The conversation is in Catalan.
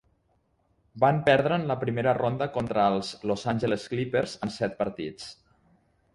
Van perdre en la primera ronda contra els Los Angeles Clippers en set partits.